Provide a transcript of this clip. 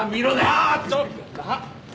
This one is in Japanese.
あーちょっと。